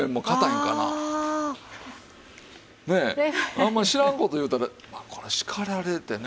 あんまり知らん事言うたらこれ叱られてね。